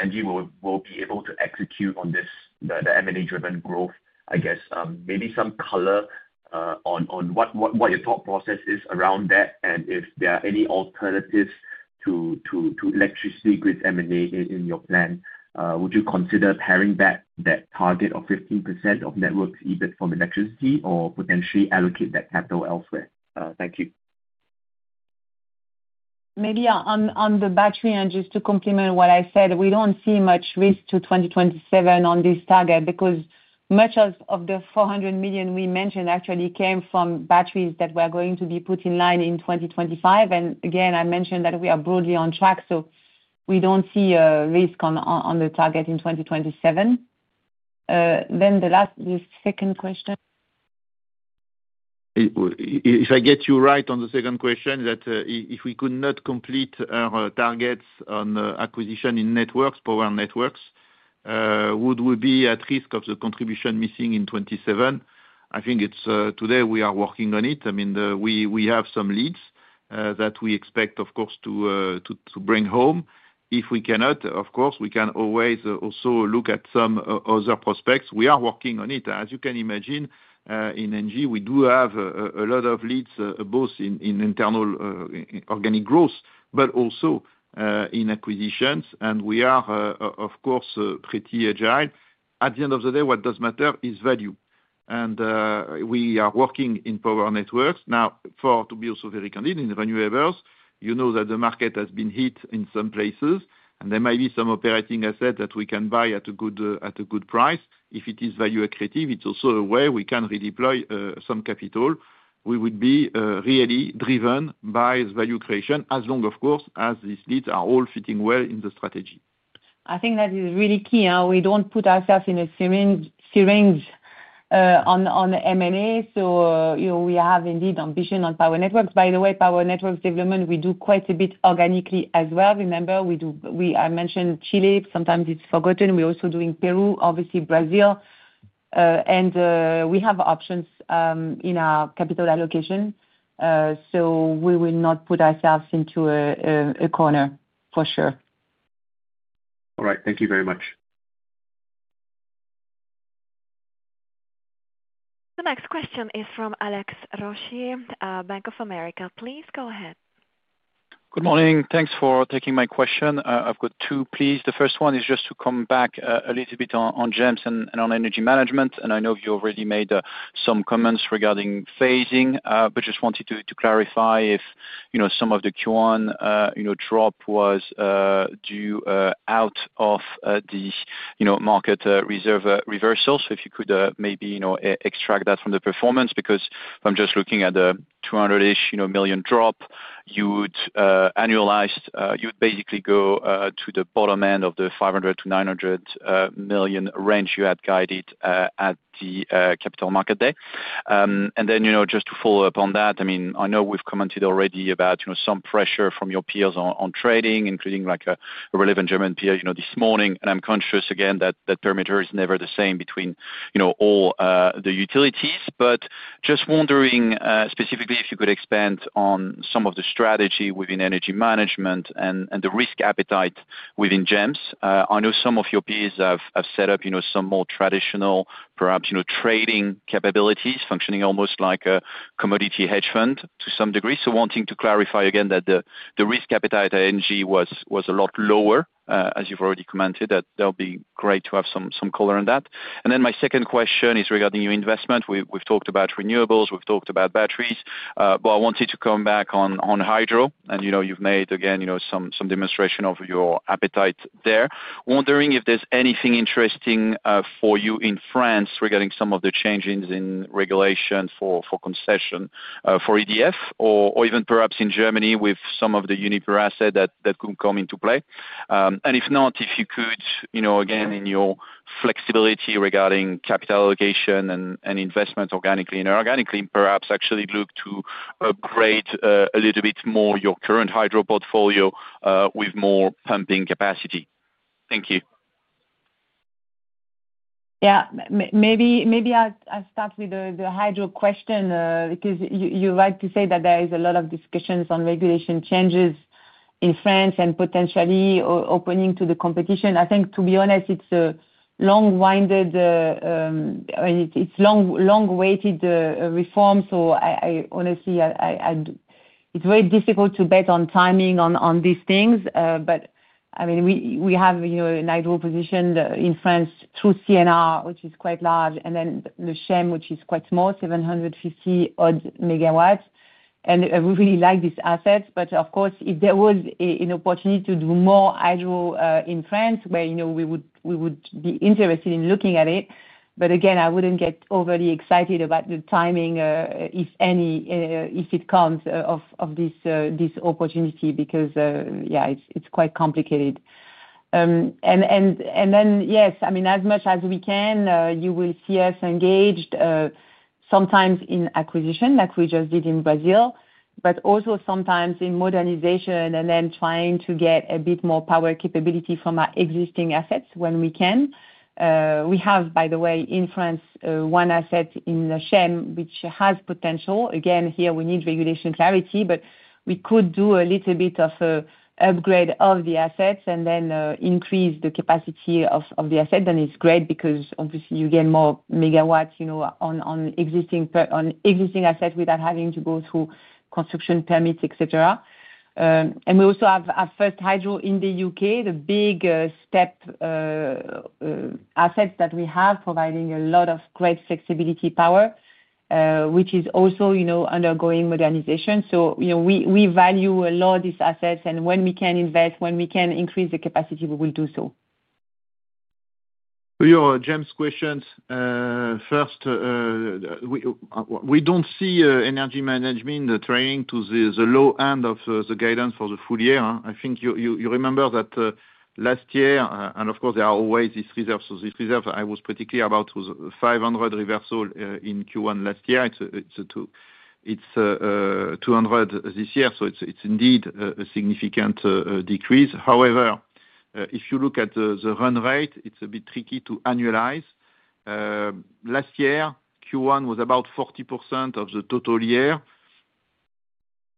ENGIE will be able to execute on the M&A-driven growth, I guess. Maybe some color on what your thought process is around that, and if there are any alternatives to electricity grids M&A in your plan. Would you consider paring back that target of 15% of networks' EBIT from electricity or potentially allocate that capital elsewhere? Thank you. Maybe on the battery end, just to complement what I said, we don't see much risk to 2027 on this target because much of the 400 million we mentioned actually came from batteries that were going to be put in line in 2025. I mentioned that we are broadly on track, so we don't see a risk on the target in 2027. The second question. If I get you right on the second question, that if we could not complete our targets on acquisition in networks, power networks, would we be at risk of the contribution missing in 2027? I think today we are working on it. I mean, we have some leads that we expect, of course, to bring home. If we cannot, of course, we can always also look at some other prospects. We are working on it. As you can imagine, in ENGIE, we do have a lot of leads both in internal organic growth, but also in acquisitions, and we are, of course, pretty agile. At the end of the day, what does matter is value. We are working in power networks. Now, to be also very candid, in renewables, you know that the market has been hit in some places, and there may be some operating asset that we can buy at a good price. If it is value-accretive, it's also a way we can redeploy some capital. We would be really driven by value creation as long, of course, as these leads are all fitting well in the strategy. I think that is really key. We don't put ourselves in a syringe on M&A. We have indeed ambition on power networks. By the way, power networks development, we do quite a bit organically as well. Remember, I mentioned Chile. Sometimes it's forgotten. We're also doing Peru, obviously, Brazil. We have options in our capital allocation, so we will not put ourselves into a corner, for sure. All right. Thank you very much. The next question is from Alex Roncier, Bank of America. Please go ahead. Good morning. Thanks for taking my question. I've got two, please. The first one is just to come back a little bit on GEMS and on energy management. I know you already made some comments regarding phasing, but just wanted to clarify if some of the Q1 drop was due out of the market reserve reversal. If you could maybe extract that from the performance because if I'm just looking at the $200 million-ish drop, you would annualize, you'd basically go to the bottom end of the $500 million-$900 million range you had guided at the Capital Market Day. Just to follow up on that, I mean, I know we've commented already about some pressure from your peers on trading, including a relevant German peer this morning. I'm conscious again that the perimeter is never the same between all the utilities. Just wondering specifically if you could expand on some of the strategy within energy management and the risk appetite within GEMS. I know some of your peers have set up some more traditional, perhaps trading capabilities, functioning almost like a commodity hedge fund to some degree. Wanting to clarify again that the risk appetite at ENGIE was a lot lower, as you've already commented, that would be great to have some color on that. My second question is regarding your investment. We've talked about renewables. We've talked about batteries. I wanted to come back on hydro. You've made, again, some demonstration of your appetite there. Wondering if there's anything interesting for you in France regarding some of the changes in regulation for concession for EDF, or even perhaps in Germany with some of the Uniper asset that could come into play. If not, if you could, again, in your flexibility regarding capital allocation and investment organically and inorganically, perhaps actually look to upgrade a little bit more your current hydro portfolio with more pumping capacity. Thank you. Yeah. Maybe I'll start with the hydro question because you're right to say that there is a lot of discussions on regulation changes in France and potentially opening to the competition. I think, to be honest, it's a long-winded, it's long-waited reform. Honestly, it's very difficult to bet on timing on these things. I mean, we have a hydro position in France through CNR, which is quite large, and then Le Cheylas, which is quite small, 750-odd megawatts. We really like these assets. Of course, if there was an opportunity to do more hydro in France, we would be interested in looking at it. Again, I would not get overly excited about the timing, if any, if it comes of this opportunity because, yeah, it is quite complicated. Yes, as much as we can, you will see us engaged sometimes in acquisition like we just did in Brazil, but also sometimes in modernization and then trying to get a bit more power capability from our existing assets when we can. We have, by the way, in France, one asset in Le Cheylas, which has potential. Again, here we need regulation clarity, but we could do a little bit of an upgrade of the assets and then increase the capacity of the asset. It is great because obviously you get more megawatts on existing assets without having to go through construction permits, etc. We also have our first hydro in the U.K., the big step assets that we have, providing a lot of great flexibility power, which is also undergoing modernization. We value a lot of these assets. When we can invest, when we can increase the capacity, we will do so. Your GEMS questions. First, we do not see energy management trending to the low end of the guidance for the full year. I think you remember that last year, and of course, there are always these reserves. This reserve, I was pretty clear about 500 million reversal in Q1 last year. It's 200 this year. So it's indeed a significant decrease. However, if you look at the run rate, it's a bit tricky to annualize. Last year, Q1 was about 40% of the total year.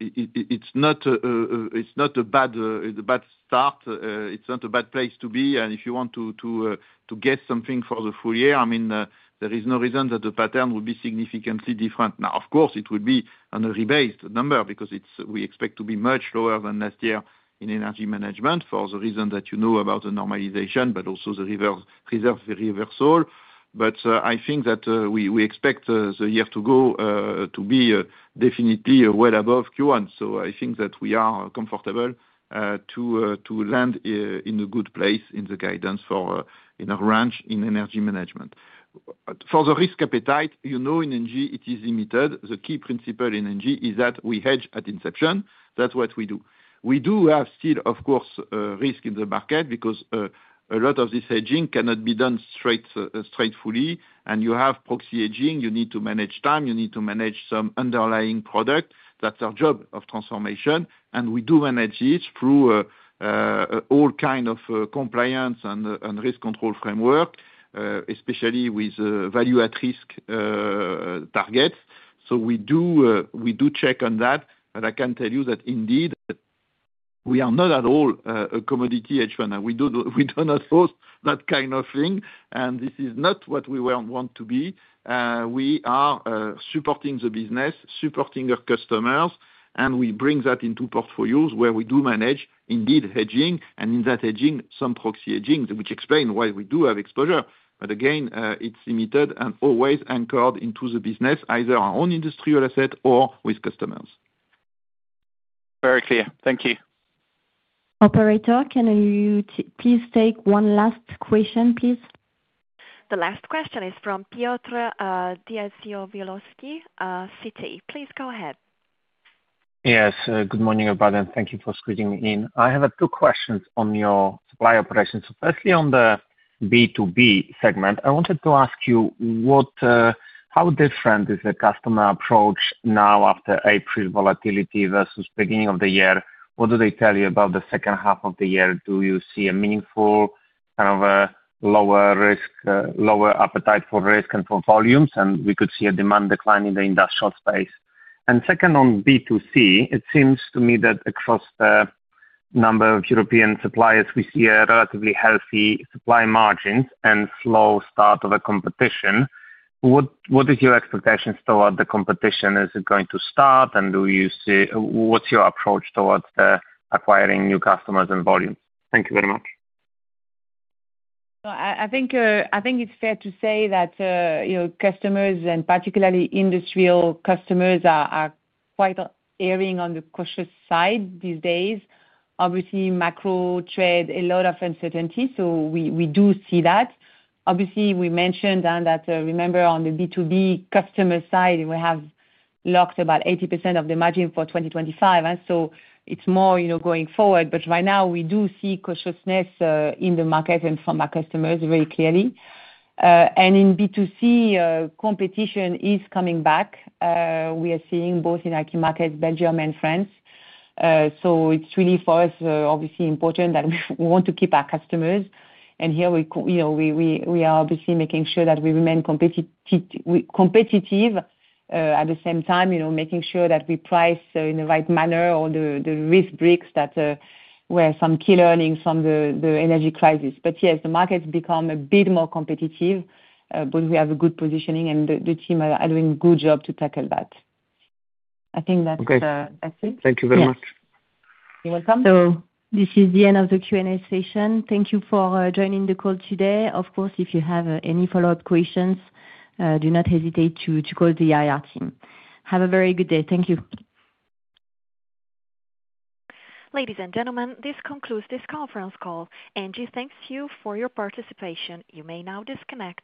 It's not a bad start. It's not a bad place to be. And if you want to guess something for the full year, I mean, there is no reason that the pattern would be significantly different. Now, of course, it will be an early-based number because we expect to be much lower than last year in energy management for the reason that you know about the normalization, but also the reversal. But I think that we expect the year to go to be definitely well above Q1. So I think that we are comfortable to land in a good place in the guidance for in a range in energy management. For the risk appetite, you know in ENGIE, it is limited. The key principle in ENGIE is that we hedge at inception. That's what we do. We do have still, of course, risk in the market because a lot of this hedging cannot be done straightfully. You have proxy hedging. You need to manage time. You need to manage some underlying product. That's our job of transformation. We do manage it through all kinds of compliance and risk control framework, especially with value-at-risk targets. We do check on that. I can tell you that indeed, we are not at all a commodity hedge fund. We do not host that kind of thing. This is not what we want to be. We are supporting the business, supporting our customers, and we bring that into portfolios where we do manage, indeed, hedging, and in that hedging, some proxy hedging, which explains why we do have exposure. Again, it's limited and always anchored into the business, either our own industrial asset or with customers. Very clear. Thank you. Operator, can you please take one last question, please? The last question is from Piotr Dzieciolowski, Citi. Please go ahead. Yes. Good morning, everybody. Thank you for squeezing me in. I have two questions on your supply operations. Firstly, on the B2B segment, I wanted to ask you, how different is the customer approach now after April volatility versus beginning of the year? What do they tell you about the second half of the year? Do you see a meaningful kind of lower risk, lower appetite for risk and for volumes? We could see a demand decline in the industrial space. Second, on B2C, it seems to me that across a number of European suppliers, we see relatively healthy supply margins and a slow start of competition. What is your expectation toward the competition? Is it going to start? What is your approach towards acquiring new customers and volumes? Thank you very much. I think it is fair to say that customers, and particularly industrial customers, are quite erring on the cautious side these days. Obviously, macro trade has a lot of uncertainty, so we do see that. We mentioned that, remember, on the B2B customer side, we have locked about 80% of the margin for 2025. It is more going forward. Right now, we do see cautiousness in the market and from our customers very clearly. In B2C, competition is coming back. We are seeing both in IT markets, Belgium and France. It is really for us, obviously, important that we want to keep our customers. Here, we are obviously making sure that we remain competitive at the same time, making sure that we price in the right manner on the risk bricks that were some key learnings from the energy crisis. Yes, the markets become a bit more competitive, but we have a good positioning, and the team are doing a good job to tackle that. I think that's it. Thank you very much. You're welcome. This is the end of the Q&A session. Thank you for joining the call today. Of course, if you have any follow-up questions, do not hesitate to call the IR team. Have a very good day. Thank you. Ladies and gentlemen, this concludes this conference call. ENGIE thanks you for your participation. You may now disconnect.